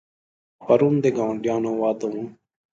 پرون د ګاونډیانو واده و.